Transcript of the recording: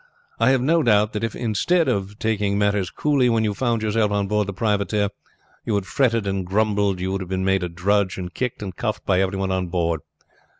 I have no doubt that if, instead of taking matters coolly when you found yourself on board the privateer you had fretted and grumbled, you would have been made a drudge and kicked and cuffed by everyone on board.